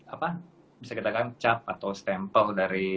apa bisa kita katakan cap atau stempel dari